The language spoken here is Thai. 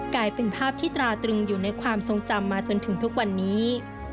กลายเป็นภาพที่ตราตรึงอยู่ในความทรงจำมาจนถึงทุกวันนี้